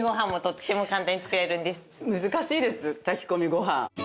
難しいです炊き込みご飯。